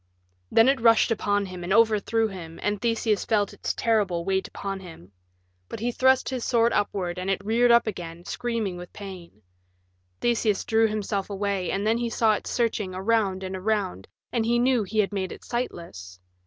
Then it rushed upon him and overthrew him, and Theseus felt its terrible weight upon him. But he thrust his sword upward, and it reared up again, screaming with pain. Theseus drew himself away, and then he saw it searching around and around, and he knew he had made it sightless.